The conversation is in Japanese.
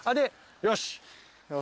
よし。